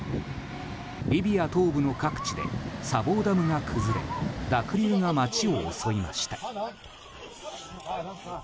リビア東部の各地で砂防ダムが崩れ濁流が街を襲いました。